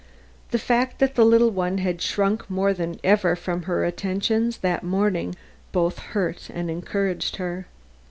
The fact that the little one had shrunk more than ever from her attentions that morning both hurt and encouraged her.